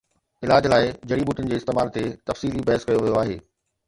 علاج لاءِ جڙي ٻوٽين جي استعمال تي تفصيلي بحث ڪيو ويو آهي